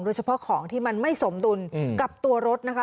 โดยเฉพาะของที่มันไม่สมดุลกับตัวรถนะคะ